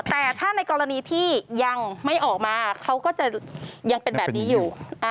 แต่ถ้าในกรณีที่ยังไม่ออกมาเขาก็จะยังเป็นแบบนี้อยู่